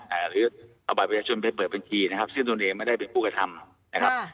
หรือเอาบัตรประชาชนไปเปิดบัญชีนะครับซึ่งตนเองไม่ได้เป็นผู้กระทำนะครับ